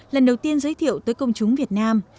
lần đầu tiên giới thiệu tới công chúng việt nam